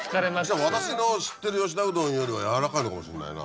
私の知ってる吉田うどんよりはやわらかいのかもしれないな。